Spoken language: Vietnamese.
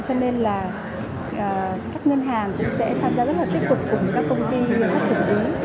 cho nên các ngân hàng cũng sẽ tham gia rất tiếp cận cùng các công ty phát triển đối với